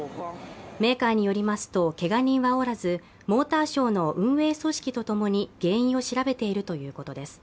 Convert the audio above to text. メーカーによりますと、けが人はおらず、モーターショーの運営組織とともに原因を調べているということです。